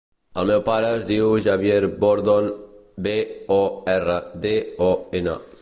El meu pare es diu Javier Bordon: be, o, erra, de, o, ena.